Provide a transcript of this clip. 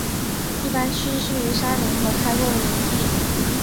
一般栖息于山林和开阔的林地。